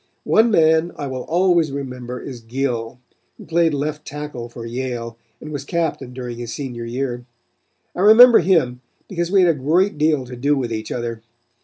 One man I will always remember is Gill, who played left tackle for Yale and was captain during his senior year. I remember him because we had a good deal to do with each other.